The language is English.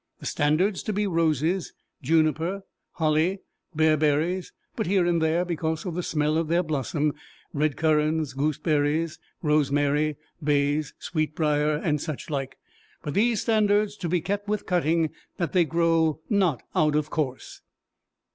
The standards to be roses; juniper; holly; beareberries (but here and there, because of the smell of their blossom;) red currans; gooseberries; rosemary; bayes; sweetbriar; and such like. But these standards, to be kept with cutting, that they grow not out of course."